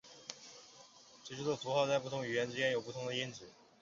最初的符号在不同语言之间有不同的音值。